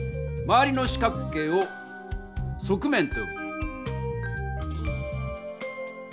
まわりの四角形を「側面」とよぶ。